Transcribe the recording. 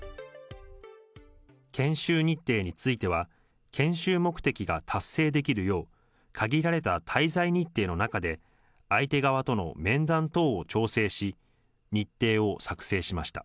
研修日程については、研修目的が達成できるよう、限られた滞在日程の中で相手側との面談等を調整し、日程を作成しました。